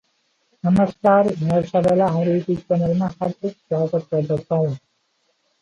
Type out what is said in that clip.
The northern part of Baranya in Hungary was included into Baranya county.